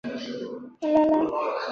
紫红鞘薹草为莎草科薹草属的植物。